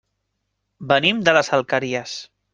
Venim de les Alqueries.